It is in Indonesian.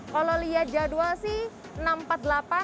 kalau lihat jadwal sih